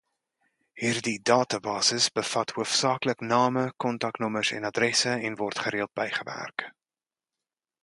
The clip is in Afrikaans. Hierdie databasis bevat hoofsaaklik name, kontaknommers en adresse en word gereeld bygewerk.